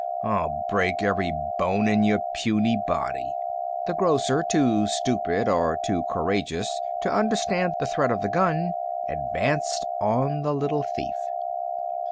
I'll break every bone in your puny body." The grocer, too stupid or too courageous to understand the threat of the gun, advanced on the little thief.